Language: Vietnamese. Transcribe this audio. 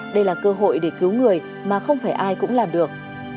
đây là cơ hội để cứu người mà không phải ai cũng làm được